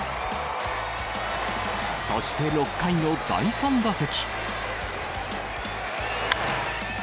そして６回の第３打席。